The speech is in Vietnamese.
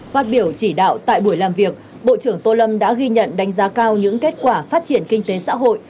phát biểu chỉ đạo tại buổi làm việc bộ trưởng tô lâm đã ghi nhận đánh giá cao những kết quả phát triển kinh tế xã hội